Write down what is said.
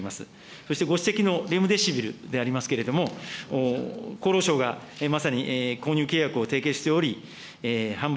そしてご指摘のレムデシビルでございますけれども、厚労省がまさに購入契約を締結しており、販売